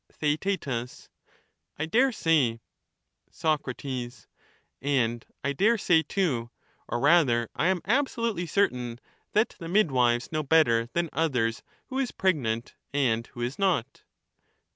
Theaet, I dare say. Soc, And I dare say too, or rather I am absolutely certain, that the midwives know better than others who is pregnant and who is not